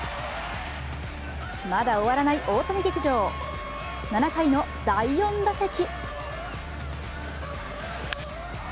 まだ終わらない大谷劇場、７回の第４打席。